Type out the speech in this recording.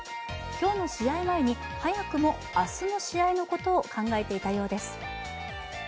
今日の試合前に早くも明日の試合のことを考えていたようです。